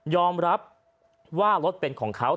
อมรับว่ารถเป็นของเขา